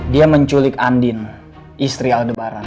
dia menculik andin istri aldebaran